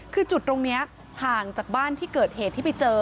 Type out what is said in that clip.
คือจุดตรงนี้ห่างจากบ้านที่เกิดเหตุที่ไปเจอ